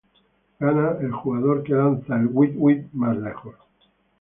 Gana el jugador que lanza el weet-weet más lejos.